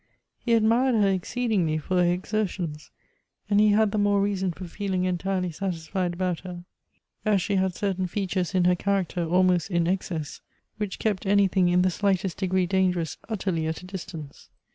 He admired her exceed ingly for her exertions, and he had the more reason for feeling entirely satisfied about her, as she had certain features in her character almost in excess, which kept anything in the slightest degree dangerous utterly at a distance.